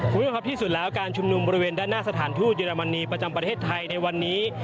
คุณผู้ชมครับที่สุดแล้วการชุมนุมบริเวณด้านหน้าสถานทูตเยอรมนีประจำประเทศไทยในวันนี้